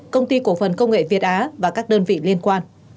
công ty cổ phần công nghệ việt á và các đơn vị liên quan